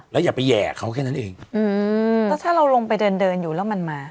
แล้วอย่าไปแห่เขาแค่นั้นเองอืมแล้วถ้าเราลงไปเดินเดินอยู่แล้วมันมา